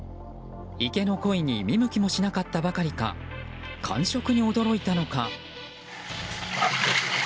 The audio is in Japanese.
池のコイに見向きもしなかったばかりか感触に驚いたのか。